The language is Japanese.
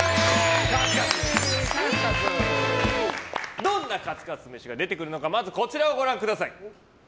どんなカツカツ飯が出てくるのかまずはこちらをご覧ください。